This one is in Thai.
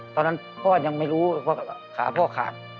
ตอนนั้นพ่อยังไม่รู้ว่าขาพ่อขาด